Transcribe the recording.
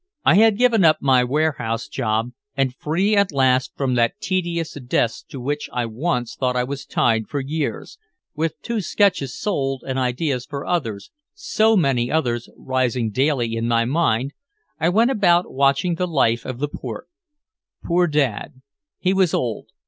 I had given up my warehouse job, and free at last from that tedious desk to which I once thought I was tied for years, with two sketches sold and ideas for others, so many others, rising daily in my mind, I went about watching the life of the port. Poor Dad. He was old.